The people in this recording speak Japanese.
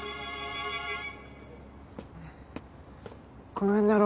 この辺だろ？